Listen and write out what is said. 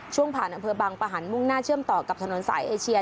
ผ่านอำเภอบางปะหันมุ่งหน้าเชื่อมต่อกับถนนสายเอเชีย